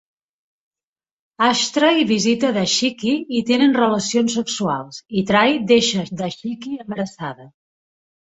Ashtray visita Dashiki i tenen relacions sexuals i Tray deixa Dashiki embarassada.